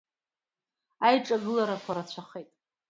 Аиҿагыларақәа рацәахеит.